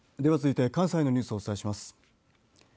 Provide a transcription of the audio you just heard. では、続いて関西のニュースをお伝えします。